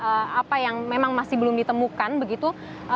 apa yang memang masih belum ditemukan begitu